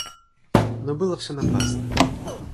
Но было всё напрасно.